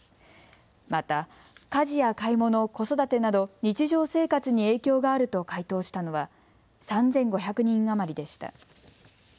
また、家事や買い物、子育てなど、日常生活に影響があると回答したのは３５００人余りでした。